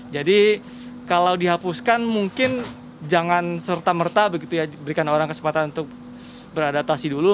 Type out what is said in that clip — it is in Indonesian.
jadi kalau dihapuskan mungkin jangan serta merta berikan orang kesempatan untuk beradaptasi dulu